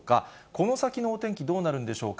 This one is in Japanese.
この先のお天気、どうなるんでしょうか。